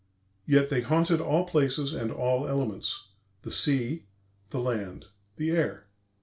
Yet they haunted all places and all elements the sea, the land, the air.